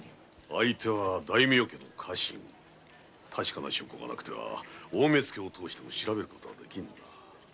相手は大名家の家臣確かな証拠がなくては大目付をとおしても調べることはできんな。